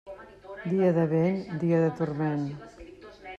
Dia de vent, dia de turment.